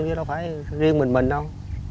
chứ đâu phải riêng mình mình đâu